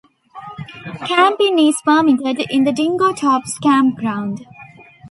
Camping is permitted in the Dingo Tops campground.